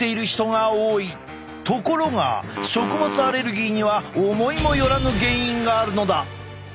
ところが食物アレルギーには思いもよらぬ原因があるのだ！